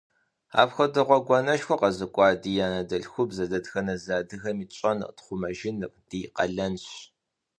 Апхуэдэ гъуэгуанэшхуэ къэзыкӀуа ди анэдэлъхубзэр дэтхэнэ зы адыгэми тщӀэныр, тхъумэжыныр ди къалэнщ.